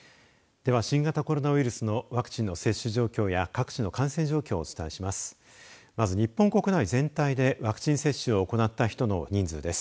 では、新型コロナウイルスのワクチンの接種状況や各地の感染状況をお伝えします。